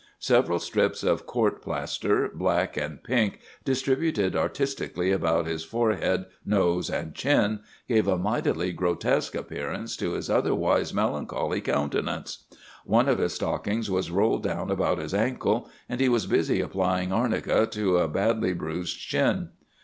Several strips of court plaster, black and pink, distributed artistically about his forehead, nose, and chin, gave a mightily grotesque appearance to his otherwise melancholy countenance. One of his stockings was rolled down about his ankle, and he was busy applying arnica to a badly bruised shin.